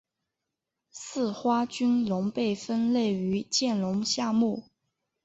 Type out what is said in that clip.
似花君龙被分类于剑龙下目。